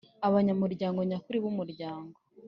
Abanyamuryango nyakuri b umuryango